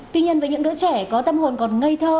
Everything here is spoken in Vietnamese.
tuy nhiên với những đứa trẻ có tâm hồn còn ngây thơ